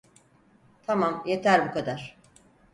Tamam, yeter bu kadar.